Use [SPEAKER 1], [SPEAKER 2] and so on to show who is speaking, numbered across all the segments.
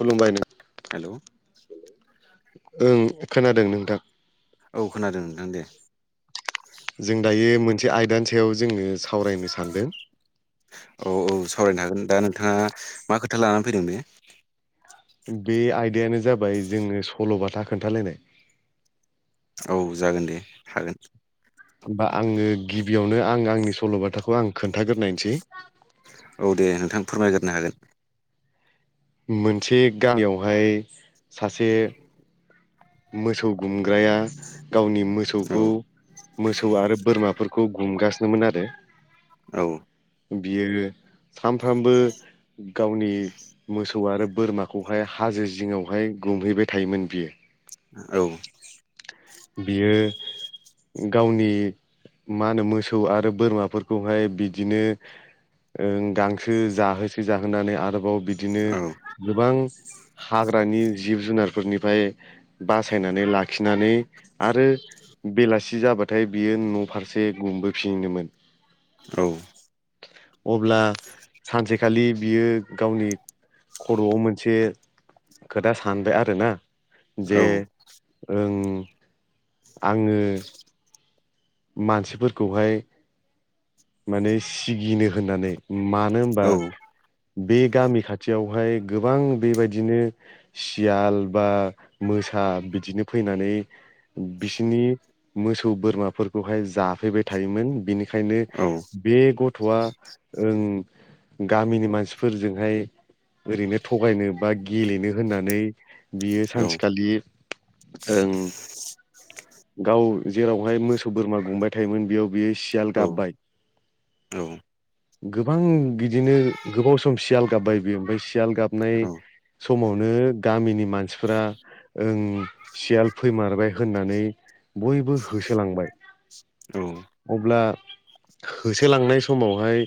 [SPEAKER 1] खुलुमबाय
[SPEAKER 2] हेलौ
[SPEAKER 1] नोंथां ओं खोनादों नोंथां।
[SPEAKER 2] औ खोनादों नोंथां दे।
[SPEAKER 1] जों दायो मोनसे आयदानि सायाव जोङो सावरायनो सानदों।
[SPEAKER 2] औ औ सावरायनो हागोन दा नोंथाङा मा खोथा लानानै फैदों बे
[SPEAKER 1] बे आयदायानो जाबाय जोङो सल'बाथा खोन्थालायनाय
[SPEAKER 2] औ जागोन दे हागोन।
[SPEAKER 1] होमबा आङो गिबियावनो आं आंनि सल'बाथाखौ आं खोन्थाग्रोनायसै।
[SPEAKER 2] औ दे नोंथां फोरमायग्रो हागोन।
[SPEAKER 1] मोनसे गामियावहाय सासे मोसौ गुमग्राया गावनि
[SPEAKER 2] औ
[SPEAKER 1] मोसौखौ मोसौ आरो बोरमाफोरखौ गुमगासिनोमोन आरो
[SPEAKER 2] औ
[SPEAKER 1] बियो सानफ्रामबो गावनि मोसौ आरो बोरमाखौहाय हाजो जिङावहाय गुमहैबाय थायोमोन बियो।
[SPEAKER 2] औ
[SPEAKER 1] बियो गावनि मा होनो मोसौ आरो बोरमाफोरखौहाय बिदिनो ओ गांसो जाहोसे जाहोनानै आरोबाव बिदिनो गोबां हाग्रानि जिब जुनार फोरनिफ्राय बासायनानै लाखिनानै आरो बेलासि जाबाथाय बियो न' फारसे गुमबोफिननोमोन।
[SPEAKER 2] औ
[SPEAKER 1] अब्ला सानसेखालि बियो गावनि खर'आव मोनसे खोथा सानबाय आरोना। जे
[SPEAKER 2] औ
[SPEAKER 1] ओं आङो। मानसिफोरखौहाय माने सिगिनो होननानै मानो होनबा
[SPEAKER 2] औ
[SPEAKER 1] बे गामि खाथियावहाय गोबां बेबायदिनो सियाल बा मोसा बिदिनो फैनानै- बिसिनि मोसौ बोरमाफोरखौहाय जाफैबाय थायोमोन। बिनि बेखायनो
[SPEAKER 2] औ
[SPEAKER 1] बे गथ'आ ओं गामिनि मानसिफोरजोंहाय ओरैनो थगायनो बा गेलेनो होननानै बियो सानसेखालि ओं गाव जेरावहाय मोसौ बोरमा गुंबाय थायोमोन बेयाव बेयो सियाल
[SPEAKER 2] औ
[SPEAKER 1] गाबबाय
[SPEAKER 2] औ
[SPEAKER 1] गोबां बिदिनो गोबाव सम सियाल गाबबाय बियो ओमफाय सियाल
[SPEAKER 2] औ
[SPEAKER 1] गाबनाय
[SPEAKER 2] औ
[SPEAKER 1] समावनो गामिनि मानसिफोरा ओं सियाल फैमारबाय होननानै बयबो होसोलांबाय
[SPEAKER 2] औ
[SPEAKER 1] अब्ला होसोलांनाय समावहाय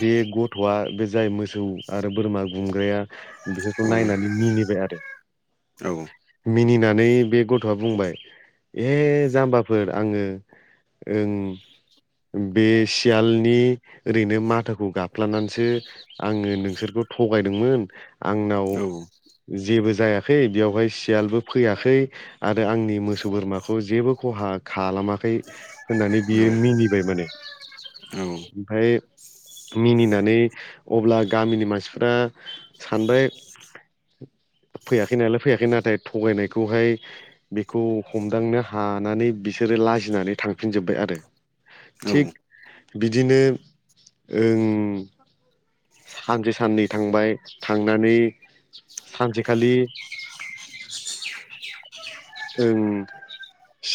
[SPEAKER 1] बे गथ'आ बे जाय मोसौ आरो बोरमा गुमग्राया बिसोरखौ नायनानै मिनिबाय आरो मिनिना नै बे गथ'आ बुंबाय ए जाम्बा फोर आङो ओं बे सियालनि ओरैनो माथोखौ गाबफ्लानानैसो आंङो नोंसोरखौ थ'गायदोंमोन आंनाव जेबो जायाखै बेवहाय सियालबो फैयाखै आरो आंनि मोसौ बोरमाखौ जेबो खहा खालामाखै होननानै बियो मिनिबाय माने ओमफ्राय मिनिनानै अब्ला गामिनि मानसिफ्रा सानबाय [inaudible] फैयाखै नालाय फैयाखै नाथाय थगायनायखौहाय बेखौ हमदांनो हानानै बिसो रो लाजिनानै थांफिनजोबबाय आरो।
[SPEAKER 2] औ।
[SPEAKER 1] थिग बिदिनो ओं सानसे साननै थांबाय थांनानै सानसेखालि [inaudible] ओं ।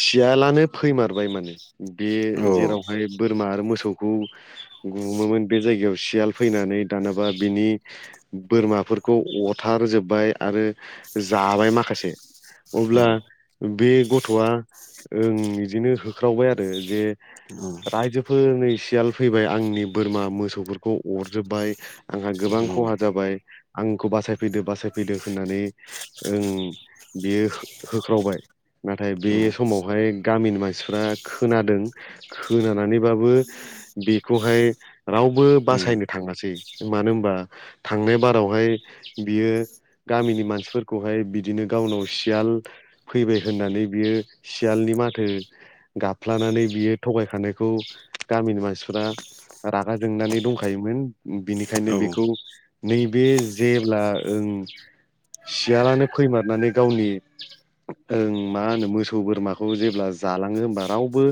[SPEAKER 1] सियालानो फैमारबाय माने बे जेरावहाय बोरमा आरो मोसौखौ गुमोमोन बे जायगायाव सियाल फैनानै दानाबा बिनि बोरमाफोरखौ अर थारजोब्बाय आरो जाबाय माखासे अब्ला बे गथ'आ ओं बिदिनो होख्रावबाय आरो जे रायजोफोर नै सियाल फैबाय आंनि बोरमा मोसौफोरखौ अरजोब्बाय आंहा गोबां खहा जाबाय आंखौ बासायफैदो बासायफैदो होननानै ओं बेयो हो-होख्रावबाय नाथाय बे समावहाय गामिनि मानसिफ्रा खोनादों खोनानानैबाबो बेखौहाय रावबो बासायनो थांङासै मानो होनबा थांनाय बारावहाय बियो गामिनि मानसिफोरखौहाय बिदिनो गावनाव सियाल फैबाय होननानै बियो सियालनि माथो गाबफ्लानानै बियो थगायखानाय खौ गामिनि मानसिफोरा रागा जोंनानै दंखायोमोन बिनिखायनो बेखौ नैबे जेब्ला ओं सियालानो फैमारनानै गावनि ओं मा होनो मोसौ बोरमाखौ जेब्ला जालाङो होमबा रावबो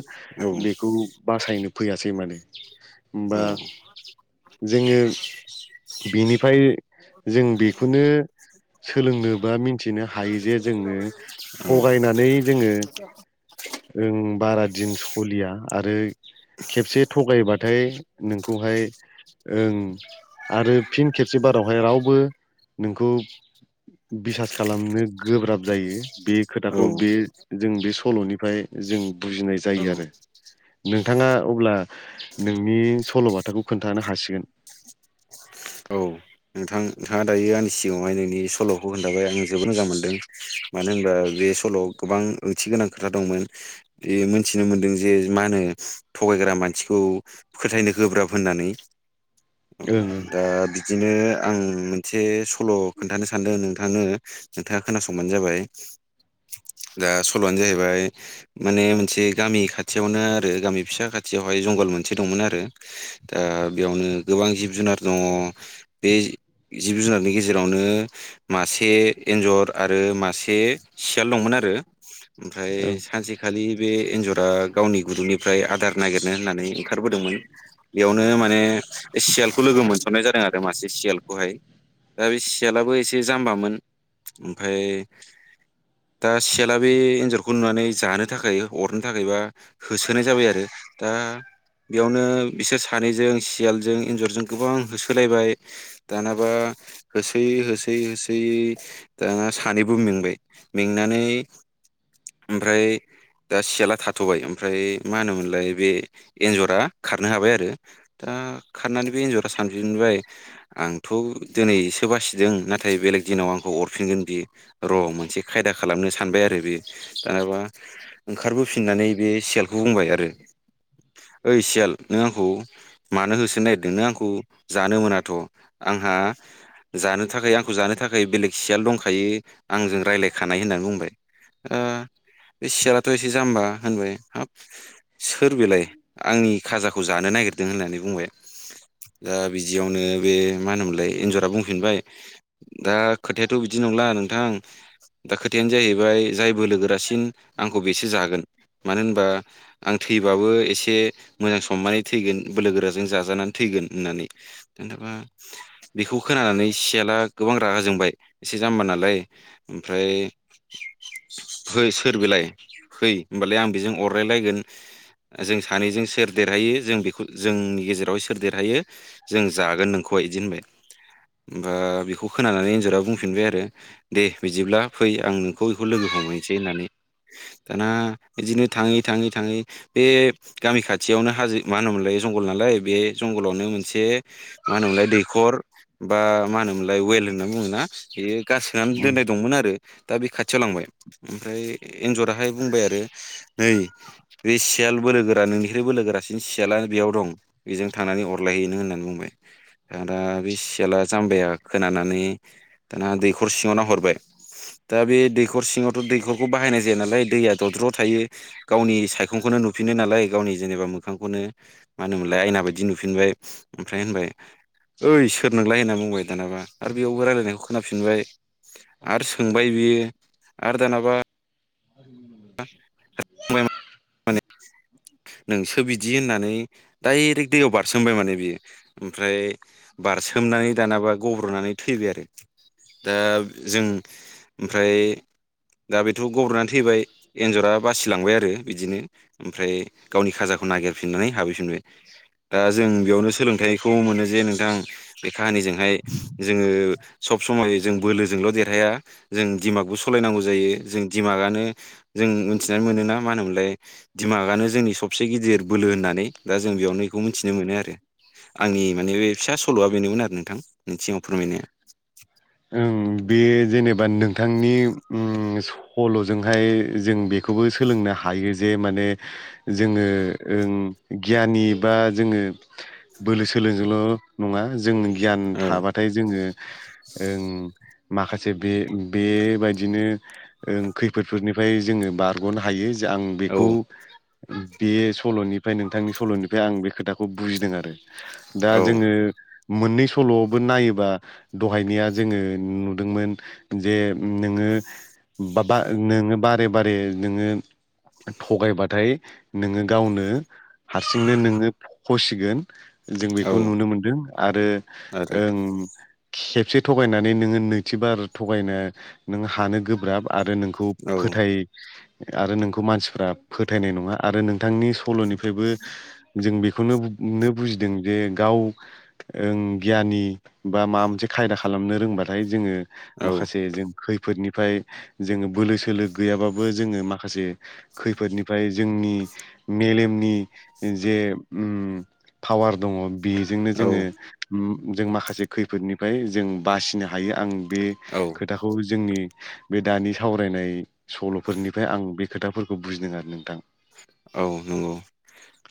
[SPEAKER 1] बेखौ बासायनो फैयासै माने। होमबा
[SPEAKER 2] औ।
[SPEAKER 1] जोङो बिनिफ्राय जों बेखौनो सोलोंनोबा मिथिनो हायो जे जोङो थगायनानै जोङो ओं बारा दिन सलिया आरो खेबसे थगायबाथाय नोंखौहाय ओं आरो फिन खेबसे बारावहाय रावबो नोंखौ बिसास खालामनो गोब्राब जायो। बे खोथाखौ बे जों बे सल'निफ्राय जों बुजिनाय जायो आरो। नोंथांङा अब्ला नोंनि सल'बाथाखौ खोन्थानो हासिगोन।
[SPEAKER 2] औ। नोंथाङा दायो आंनि सिगाङावहाय नोंनि सल'खौ खोन्थाबाय आं जोबोद मोजां मोनदों मानो होनबा बे सल' गोबां ओंथि गोनां खोथा दंमोन बे मोनथिनो मोनदों जे मा होनो थगायग्रा मानसि खौ फोथायनो गोब्राब होननानै
[SPEAKER 1] ओं
[SPEAKER 2] दा बिदिनो आं मोनसे सल' खोन्थानो सानदों नोंथांनो नोंथाङा खोनासंबानो जाबाय। दा सल'आनो जाहैबाय माने मोनसे गामि खाथियावनो आरो गामि फिसा खाथियाव बाय जंगल मोनसे दंमोन आरो दा बेयावनो गोबां जिब जुनार दङ। बे जिब जुनारनि गेजेरावनो मासे एन्जर आरो मासे सियाल दंमोन आरो ओमफ्राय
[SPEAKER 1] ओं
[SPEAKER 2] सानसेखालि बे एन्जरा गावनि गुदुंनिफ्राय आदार नागिरनो होननानै ओंखारबोदोंमोन बेयावनो माने सियाल खौ लोगो मोनसननाय जादों आरो मासे सियालखौहाय दा बे सियालाबो एसे जाम्बामोन ओमफाय दा सियाला बे एन्जरखौ नुनानै जानो थाखाय अरनो थाखायबा होसोनाय जाबाय आरो दा बेयावनो बिसोर सानै जों सियालजों एन्जरजों गोबां होसोलायबाय दानाबा होसोयै होसोयै होसोयै दाना सानैबो मेंबाय मेंनानै ओमफ्राय दा सिला थाथ'बाय ओमफ्राय मा होनोमोन लाय बे एन्जरा खारनो हाबाय आरो दा खारनानै बे एन्जरा सानफिनबाय आंथ' दिनै सोबासिदों ना थाय बेलेग दिनाव आंखौ अरफिनगोन बियो र' मोनसे खायदा खालामनो सानबाय आरो बेयो दानाबा ओंखारबोफिननानै बे सियालखौ बुंबाय आरो ओइ सियाल नों आंखौ मानो होसोनो नागिरदों नों आंखौ जानो मोना थ' आंहा जानो थाखाय आंखौ जानो थाखाय बेलेग सियाल दंखायो। आंजों राय्लायखानाय होननानै बुंबाय ओ बे सियालाथ' एसे जाम्बा होनबाय हाब सोर बेलाय आंनि खाजाखौ जानो नागिर दों होननानै बुंबाय दा बिदियावनो बे मा होनोमोनलाय एन्जरा बुंफिनबाय दा खोथायाथ' बि दि नंला नोंथां दा खोथायानो जाहैबाय जाय बोलो लोगोरासिन आंखौ बेसो जागोन मानो होनबा आं थैबाबो एसे मोजां समाननै थैगोन बोलो गोराजों जाजानानै थैगोन होननानै नोंथाङा बेखौ खोनानानै सियाला गोबां रागा जोंबाय एसे जाम्बा नालाय ओमफ्राय फै सोर बेलाय फै होनोमबालाय आं बेजों अरलायलायगोन जों सानैजों सोर देरहायो जों बेखौ जोंनि गेजेराव सोर देरहायो जों जागोन नोंखौहाय बिदि होनबाय होमबा बेखौ खोनानानै एन्जरा बुंफिनबाय आरो दे बिदिब्ला फै आं नोंखौ बेखौ लोगो हमहैसै होननानै दाना बिदिनो थाङै थाङै थाङै बे गामि खाथियावनो हाजो मा होनोमोनलाय जंगल नालाय बे जंगलावनो मोनसे मा होनोमोनलाय दैखर बा मा होनोमोनलाय वेल होनना बुङोना बेयो गारसोनानै
[SPEAKER 1] ओं
[SPEAKER 2] दोननाय दंमोन आरो दा बे खाथियाव लांबाय ओमफ्राय एन्जराहाय बुंबाय आरो नै बे से सियाल बोलोगोरा नोंनिफ्राय बोलोगोरासिन सियाल बेयाव दं बेजों थांनानै अरलायहै होननानै बुङो दाना बे सियाला जाम्बाया खोनानानै दाना दैखर सिङाव नाहरबाय दा बे दैखर सिङावथ' दैखरखौ बाहायनाय जाया नालाय दैया दद्र' थायो गावनि सायखंखौनो नु फिनो नालाय गावनि जेनेबा मोखांखौनो मा होनोमोनलाय आयना बायदि नुफिनबाय ओमफ्राय होनबाय ओइ सोर नोंलाय होनना बुंबाय दानाबा आरो बेयावबो रायलायनायखौ खोनाफिनबाय आरो सोंबाय बियो आरो दानाबा आ [unintelligible]
[SPEAKER 1] [inaudible]
[SPEAKER 2] नोंसो बिदि होननानै डाइरेक्ट दैयाव बारसोमबाय माने बियो ओमफ्राय बार सोमनानै दानाबा गब्र'नानै थैबाय आरो दा जों ओमफ्राय दा बेथ' गबनानै थैबाय बे जरा बासिलांबाय आरो बिदिनो ओमफ्राय गावनि खाजाखौ नागिरफिननानै हाबहैफिनबाय दा जों बेयावनो सोलोंथाइखौ मोनो जे नोंथां बे काहानिजोंहाय जोङो सब समय जों बोलोजोंल' देरहाया जों दिमागबो सलाय होनांगौ जायो जों दिमागानो जों मिथिनानै मोनोना मानो होनोमोनलाय दिडमागानो जोंनि सबसे गिदिर बोलो होननानै दा जों बेयाव नै बेखौ मिथिनो मोनो आरो आंनि माने बे फिसा सल'आ बेनोमोन आरो नोंथां नोंनि सिगाव फोरमायनाया
[SPEAKER 1] उम बे जेनेबा नोंथांनि उम सल'जोंहाय जों बे खौबो सोलोंनो हायो जे माने जोङो ओं गियानि बा जोङो बोलो सोलोजोंल' नङा जों गियान
[SPEAKER 2] औ
[SPEAKER 1] थाबाथाय जोङो उम माखासे बे बेबायाददिनो खैफोदफोरनिफ्राय जोङो बारग'नो हायो आं
[SPEAKER 2] औ
[SPEAKER 1] बेखौ बे सल'निफ्राय नोंथांनि सल'निफ्राय आं बे खोथाखौ बुजिदों आरो दा
[SPEAKER 2] औ
[SPEAKER 1] जोङो मोननै सल'आवबो नायोबा सहायनिया जोङो नुदोंमोन जे नोङो बा बा नोङो बारे बारे नोङो थगायबाथाय नोङो गावनो हारसिंनो नोङो फसिगोन जों
[SPEAKER 2] औ
[SPEAKER 1] बेखौ नुनो मोनदों आरो
[SPEAKER 2] आरो
[SPEAKER 1] ओं खेबसे थगायनानै नोङो नैथिबार थगायनो नों हानो गोब्राब आरो नोंखौ
[SPEAKER 2] औ
[SPEAKER 1] फोथाय आरो नोंखौ मानसिफ्रा फोथायनाय नङा आरो नोंथांनि सल'निफ्रायबो जों बेखौनो नो बुजिदों जे गाव गियानि बा माबा मोनसे खायदा खालामनो रोंबाथाय जोङो
[SPEAKER 2] औ
[SPEAKER 1] माखासे जों खै खैफोदनिफ्राय जोङो बोलो सोलो गैयाबाबो जोङो माखासे खैफोदनिफ्राय जोंनि मेलेमनि जे उम फावार दङ बेजोंनो जोङो
[SPEAKER 2] औ
[SPEAKER 1] जों माखासे खैफोदनिफ्राय जों बासिनो हायो आं बे
[SPEAKER 2] औ
[SPEAKER 1] खोथाखौ जोंनि बे दानि सावरायनाय सल'फोरनिफ्राय आं बे खोथाफोरखौ बुजिदों आरो नोंथां
[SPEAKER 2] औ नंगौ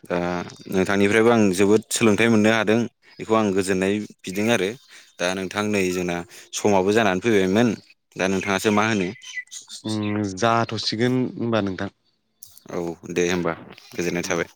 [SPEAKER 2] दा नोंथांनिफ्रायबो आं जोबोद सोलोंथाइ मोननो हादों बेखौ आं गोजोननाय बिदों आरो दा नोंथां नै जोंना समावबो जानानै फैबायमोन दा नोंथाङासो मा होनो
[SPEAKER 1] दोनथ'सिगोन होनोमबा नोंथां
[SPEAKER 2] औ दे होनबा गोजोननाय थाबाय